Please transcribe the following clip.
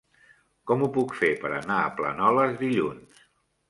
Com ho puc fer per anar a Planoles dilluns?